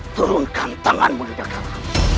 turunkan tanganmu yudhakala